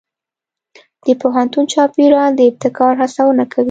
د پوهنتون چاپېریال د ابتکار هڅونه کوي.